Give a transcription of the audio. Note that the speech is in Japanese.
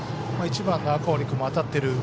１番の赤堀君も当たっている。